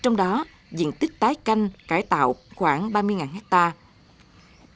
trong đó diện tích tái canh cải tạo khoảng ba mươi hectare